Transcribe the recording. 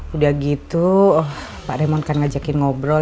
udah gitu pak raymond kan ngajakin ngobrol